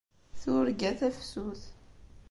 Turga tafsut.